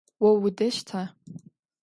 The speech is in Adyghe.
О удэщта?